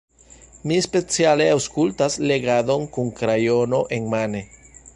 Mi speciale aŭskultas legadon kun krajono enmane.